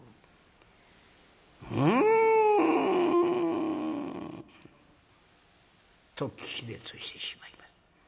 「ん」。と気絶してしまいます。